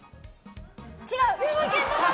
違う？